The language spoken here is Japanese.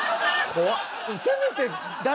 怖っ。